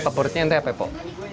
favoritnya entah apa pak